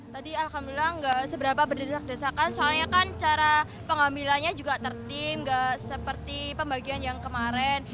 tadi alhamdulillah nggak seberapa berdesak desakan soalnya kan cara pengambilannya juga tertim nggak seperti pembagian yang kemarin